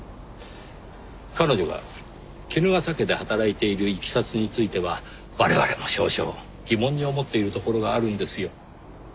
彼女が衣笠家で働いているいきさつについては我々も少々疑問に思っているところがあるんですよ。